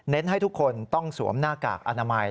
ให้ทุกคนต้องสวมหน้ากากอนามัย